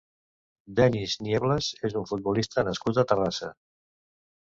Dennis Nieblas és un futbolista nascut a Terrassa.